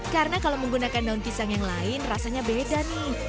karena kalau menggunakan daun pisang yang lain rasanya beda nih